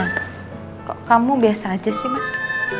kok kamu biasa aja sih mas